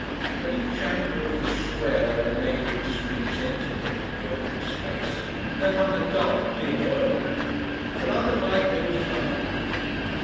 At each angle of the square where the neighbouring streets entered it, in the open space, there hung a dull, dim oil lamp; but other light there was none.